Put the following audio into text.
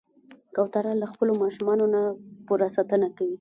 کوتره له خپلو ماشومانو نه پوره ساتنه کوي.